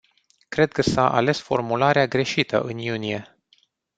Cred că s-a ales formularea greșită în iunie.